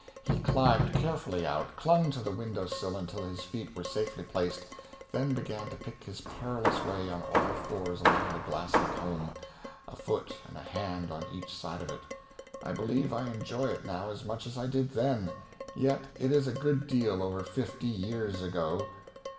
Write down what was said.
He climbed carefully out, clung to the window sill until his feet were safely placed, then began to pick his perilous way on all fours along the glassy comb, a foot and a hand on each side of it. I believe I enjoy it now as much as I did then: yet it is a good deal over fifty years ago.